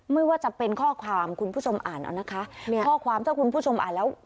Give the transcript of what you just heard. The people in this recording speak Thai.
ไม่ว่าจะเป็นข้อความคุณผู้ชมอ่านเอานะคะเนี่ยข้อความถ้าคุณผู้ชมอ่านแล้ว